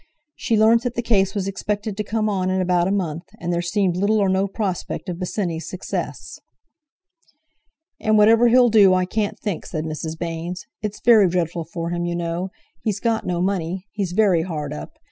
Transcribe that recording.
She learnt that the case was expected to come on in about a month, and there seemed little or no prospect of Bosinney's success. "And whatever he'll do I can't think," said Mrs. Baynes; "it's very dreadful for him, you know—he's got no money—he's very hard up.